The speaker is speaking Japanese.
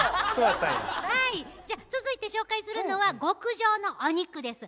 じゃあ続いて紹介するのは極上のお肉です。